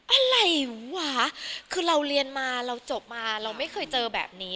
อะไรวะคือเราเรียนมาเราจบมาเราไม่เคยเจอแบบนี้